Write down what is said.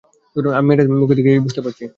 আমি মেয়েটার মুখ দেখেই বুঝতে পারছি।